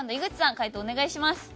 回答お願いします。